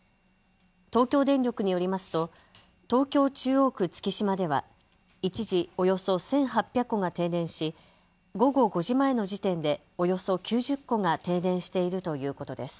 東京電力によりますと東京中央区月島では一時およそ１８００戸が停電し午後５時前の時点でおよそ９０戸が停電しているということです。